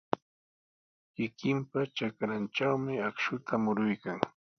Kikinpa trakrantrawmi akshuta muruykan.